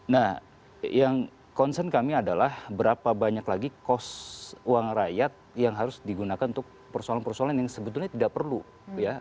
nah yang concern kami adalah berapa banyak lagi kos uang rakyat yang harus digunakan untuk persoalan persoalan yang sebetulnya tidak perlu ya